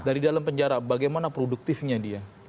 dari dalam penjara bagaimana produktifnya dia